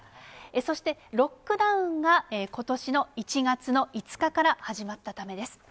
そしてロックダウンが、ことしの１月の５日から始まったためです。